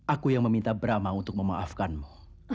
aku yang meminta brama untuk memaafkanmu